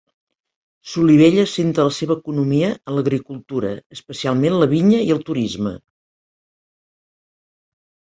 Solivella assenta la seva economia en l'agricultura, especialment la vinya, i el turisme.